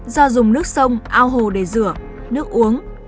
do dùng nước sông ao hồ để rửa nước uống